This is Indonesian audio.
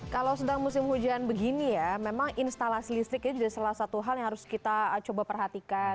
kalau sedang musim hujan begini ya memang instalasi listrik ini jadi salah satu hal yang harus kita coba perhatikan